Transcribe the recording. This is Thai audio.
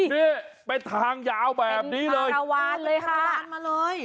นี่เป็นทางยาวแบบนี้เลยเป็นภารวาลเลยค่ะเป็นภารวาลมาเลย